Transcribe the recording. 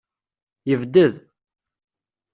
Yebded.